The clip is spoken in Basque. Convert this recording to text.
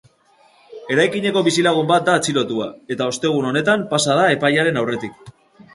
Eraikineko bizilagun bat da atxilotua, eta ostegun honetan pasa da epailearen aurretik.